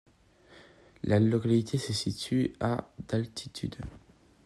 La localité se situe à d'altitude.